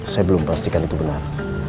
saya belum pastikan itu benar